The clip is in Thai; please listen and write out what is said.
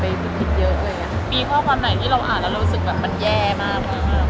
ปีข้อความใหนที่เราอ่านแล้วเรารู้สึกแบบแบบมันแย่มาก